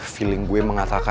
feeling gue mengatakan